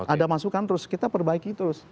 ada masukan terus kita perbaiki terus